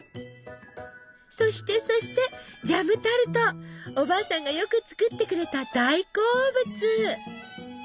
そしてそしておばあさんがよく作ってくれた大好物！